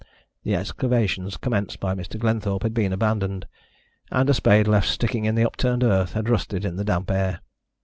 The excavations commenced by Mr. Glenthorpe had been abandoned, and a spade left sticking in the upturned earth had rusted in the damp air.